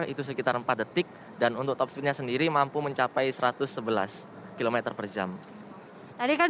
itu sekitar empat detik dan untuk top speednya sendiri mampu mencapai satu ratus sebelas km per jam tadi kan